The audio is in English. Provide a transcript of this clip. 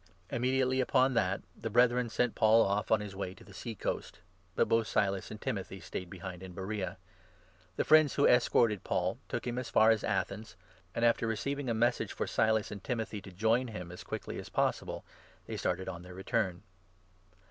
Immediately upon that, the Brethren sent Paul off 14 on his way to the sea coast, but both Silas and Timothy stayed behind in Beroea. The friends who escorted Paul took 15 him as far as Athens, and, after receiving a message for Silas and Timothy to join him as quickly as possible, they started on their return.